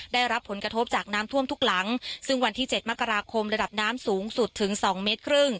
ได้รับผลกระทบจากน้ำท่วมทุกหลังซึ่งวันที่เจ็ดมกราคมระดับน้ำสูงสุดถึงสองเมตรครึ่ง